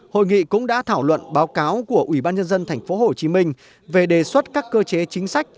hội nghị cũng đã thảo luận báo cáo của ubnd tp hcm về đề xuất các cơ chế chính sách